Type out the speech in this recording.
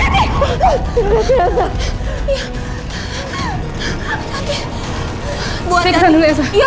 tidak tidak tidak tidak